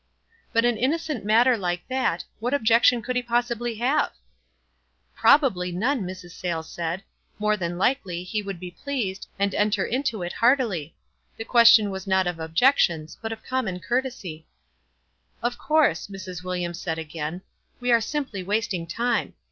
"But an innocent matter like that — what ob jection could he possibly have?" "Probably none," Mrs. Sayles said. "More than likely, he would be pleased, and enter into it heartily. The question was not of objections, but of common courtesy." "Of course," Mrs. Williams said, again. "We are simply wasting time.